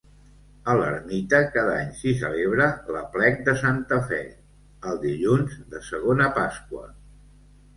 A l'ermita cada any s'hi celebra l'Aplec de Santa Fe, el dilluns de segona Pasqua.